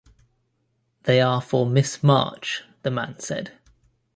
They are for Miss March, the man said.